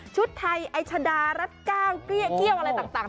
ชุดไทยไอชะดารัสกาวเกี้ยวอะไรต่าง